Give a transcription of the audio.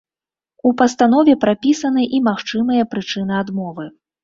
У пастанове прапісаны і магчымыя прычыны адмовы.